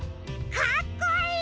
かっこいい！